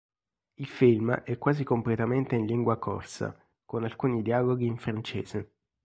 Il film è quasi completamente in lingua còrsa, con alcuni dialoghi in francese.